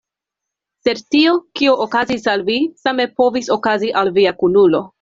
Sed tio, kio okazis al vi, same povis okazi al via kunulo.